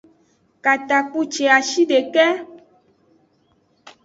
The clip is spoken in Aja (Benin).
Katakpuciashideke.